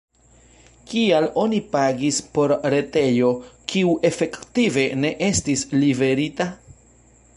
Kial oni pagis por retejo, kiu efektive ne estis liverita?